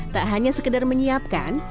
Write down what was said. tak hanya sekedar menyiapkan